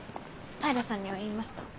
平さんには言いました。